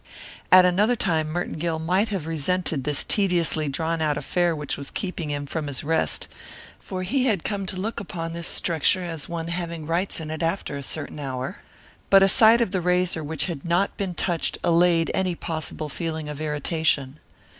At another time Merton Gill might have resented this tediously drawn out affair which was keeping him from his rest, for he had come to look upon this structure as one having rights in it after a certain hour, but a sight of the razor which had not been touched allayed any possible feeling of irritation.